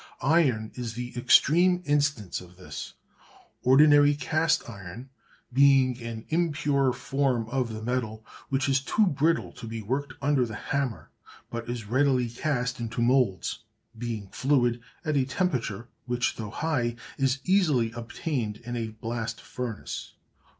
Iron is the extreme instance of this: ordinary cast iron being an impure form of the metal, which is too brittle to be worked under the hammer, but is readily cast into moulds, being fluid at a temperature which, though high, is easily obtained in a blast furnace.